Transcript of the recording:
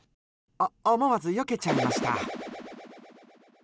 お、思わずよけちゃいました。